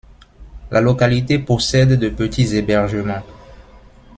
La localité possède de petits hébergements.